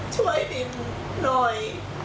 ช่วยปิ๊บหน่อย